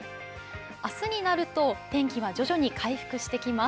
明日になると天気は徐々に回復してきます。